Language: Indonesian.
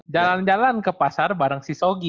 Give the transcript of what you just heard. jalan jalan ke pasar bareng si sogi